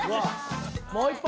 もう一本！